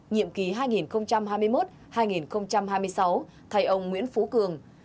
nhiệm kỳ hai nghìn hai mươi một hai nghìn hai mươi sáu thay ông nguyễn phú cường